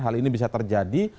hal ini bisa terjadi